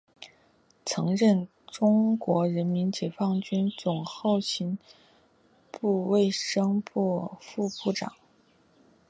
曾任中国人民解放军总后勤部卫生部副部长。